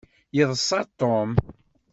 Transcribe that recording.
Yeḍsa Tom.